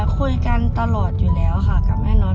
คุยกันตลอดอยู่แล้วค่ะกับแม่น็อ